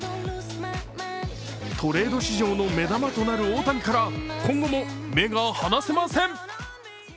トレード市場の目玉となる大谷から今後も目が離せません。